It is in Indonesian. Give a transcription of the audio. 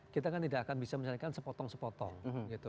kita kan tidak akan bisa menyelesaikan sepotong sepotong gitu